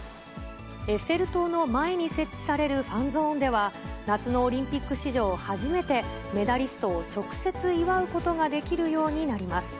エッフェル塔の前に設置されるファンゾーンでは、夏のオリンピック史上初めて、メダリストを直接祝うことができるようになります。